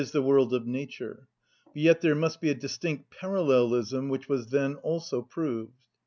_, the world of nature, but yet there must be a distinct parallelism, which was then also proved.